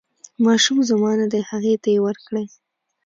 ماشوم زما نه دی هغې ته یې ورکړئ.